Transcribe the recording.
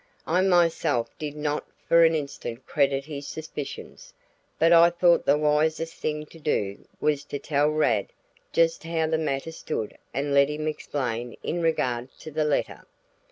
I myself did not for an instant credit his suspicions, but I thought the wisest thing to do was to tell Rad just how the matter stood and let him explain in regard to the letter.